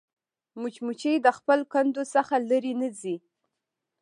مچمچۍ د خپل کندو څخه لیرې نه ځي